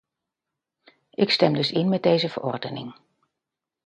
Ik stem dus in met deze verordening.